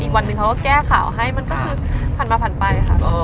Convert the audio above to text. วันหนึ่งเขาก็แก้ข่าวให้มันก็คือผ่านมาผ่านไปค่ะ